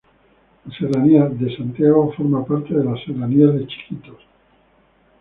La serranía de de Santiago forma parte de la serranía de Chiquitos.